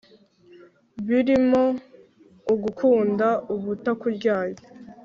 birimo ugukunda ubutakuryarya